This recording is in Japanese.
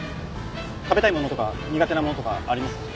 食べたいものとか苦手なものとかありますか？